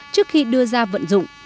trước khi đưa ra vận dụng